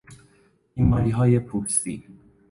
بیماریهای پوستی